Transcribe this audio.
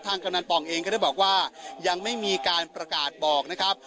กำนันป่องเองก็ได้บอกว่ายังไม่มีการประกาศบอกนะครับ